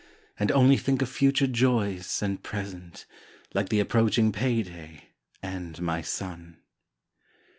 And only think of future joys and present, Like the approaching payday, and my son.